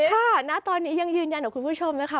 ณตอนนี้ยังยืนยันกับคุณผู้ชมนะคะ